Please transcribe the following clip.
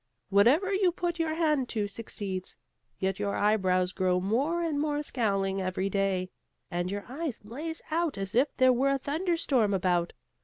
Whatever you put your hand to, succeeds. Yet your eyebrows grow more and more scowling every day, and your eyes blaze out as if there were a thunder storm about.